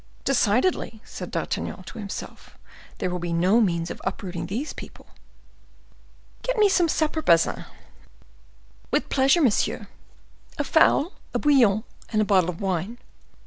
"Decidedly," said D'Artagnan to himself, "there will be no means of uprooting these people. Get me some supper, Bazin." "With pleasure, monsieur." "A fowl, a bouillon, and a bottle of wine."